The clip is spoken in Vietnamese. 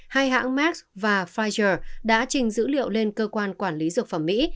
hai hãng mark và pfizer đã trình dữ liệu lên cơ quan quản lý dược phẩm mỹ